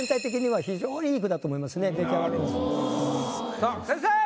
さあ先生！